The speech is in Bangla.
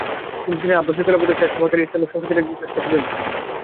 তিনি ছিলেন আব্বাসিয় খেলাফতের শেষ সময়কার ইসলামিক সংস্কৃতির একজন শ্রেষ্ঠ প্রতিনিধি।